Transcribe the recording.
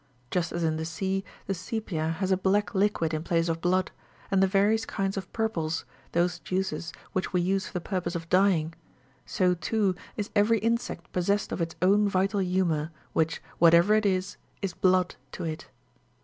Just as in the sea, the saepia9 has a black liquid in place of blood, and the various kinds of purples, those juices which we use for the purposes of dyeing ; so, too, is every insect possessed of its own vital humour, which, whatever it is, is blood to it.